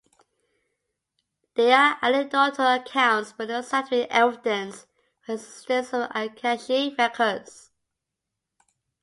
There are anecdotal accounts but no scientific evidence for existence of the Akashic records.